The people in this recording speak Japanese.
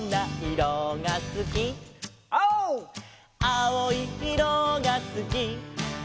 「あおいいろがすき」